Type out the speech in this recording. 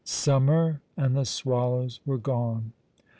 Summer and the swallows were gone.